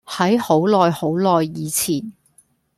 喺好耐好耐以前